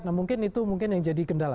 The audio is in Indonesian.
nah mungkin itu mungkin yang jadi kendala